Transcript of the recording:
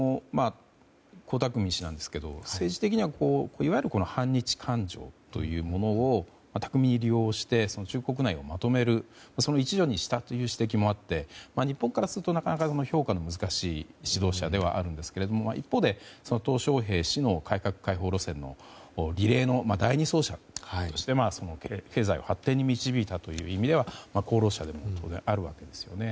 江沢民氏ですが政治的にはいわゆる反日感情というものを巧みに利用して中国国内をまとめるその一助をしたという指摘もあって日本からすると評価の難しい指導者ではあるんですが一方で、トウ・ショウヘイ氏の改革開放路線のリレーの第２走者として経済を発展に導いたという意味では功労者ではありますよね。